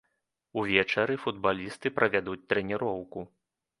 Увечары футбалісты правядуць трэніроўку.